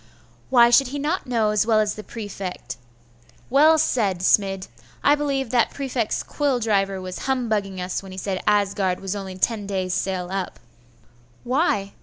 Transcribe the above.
'Why should he not know as well as the prefect? Well said, Smid! I believe that prefect's quill driver was humbugging us when he said Asgard was only ten days' sail up.' 'Why?